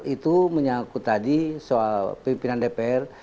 itu menyangkut tadi soal pimpinan dpr